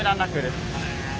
へえ。